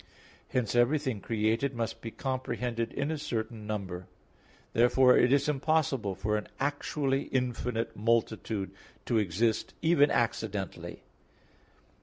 Hence everything created must be comprehended in a certain number. Therefore it is impossible for an actually infinite multitude to exist, even accidentally.